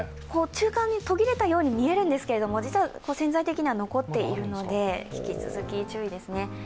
中間に途切れたように見えるんですけれども実は潜在的には残っているので、引き続き注意ですね。